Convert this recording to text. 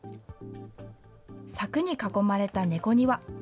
柵に囲まれた猫庭。